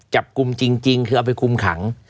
จับกลุ่มจริงคือเอาไปคุมขัง